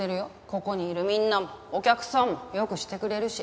ここにいるみんなもお客さんも良くしてくれるし。